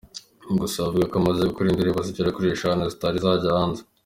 Gusa avuga ko amaze gukora indirimbo zigera kuri eshanu zitari zajya hanze.